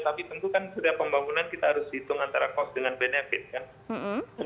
tapi tentu kan setiap pembangunan kita harus hitung antara cost dengan benefit kan